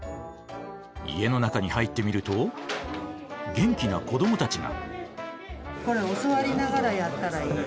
家の中に入ってみると元気な子どもたちが。